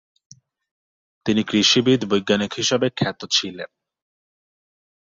তিনি কৃষিবিদ-বৈজ্ঞানিক হিসেবে খ্যাত ছিলেন।